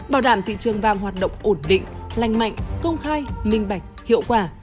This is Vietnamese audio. bảo đảm thị trường vàng hoạt động ổn định lành mạnh công khai minh bạch hiệu quả